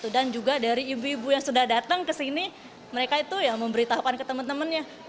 dan juga dari ibu ibu yang sudah datang ke sini mereka itu memberitahukan ke teman temannya